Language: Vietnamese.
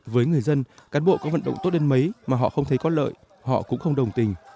với người dân cán bộ có vận động tốt đến mấy mà họ không thấy có lợi họ cũng không đồng tình